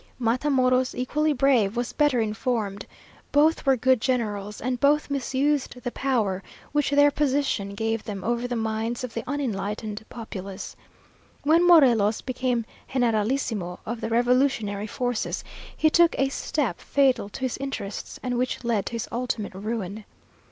Matamoros, equally brave, was better informed. Both were good generals, and both misused the power which their position gave them over the minds of the unenlightened populace. When Morelos became generalissimo of the revolutionary forces, he took a step fatal to his interests, and which led to his ultimate ruin.